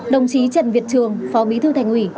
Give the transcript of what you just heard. đồng chí trần việt trường phó bí thư thành ủy